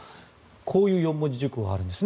こういう四文字熟語があるんです。